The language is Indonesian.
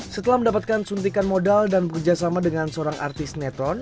setelah mendapatkan suntikan modal dan bekerjasama dengan seorang artis netron